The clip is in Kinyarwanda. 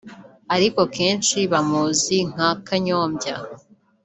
ariko benshi bamuzi nka Kanyombya